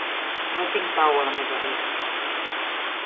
No tinc pau a la meva vida.